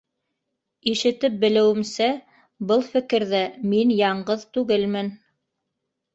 Ишетеп белеүемсә, был фекерҙә мин яңғыҙ түгелмен.